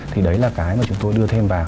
thì đấy là cái mà chúng tôi đưa thêm vào